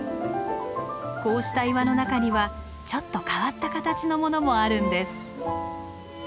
こうした岩の中にはちょっと変わった形のものもあるんです。